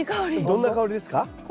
どんな香りですか？